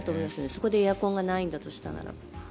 そこでエアコンがないんだとしたならば。